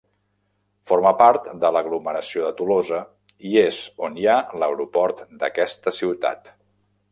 Forma part de l'aglomeració de Tolosa i és on hi ha l'aeroport d'aquesta ciutat.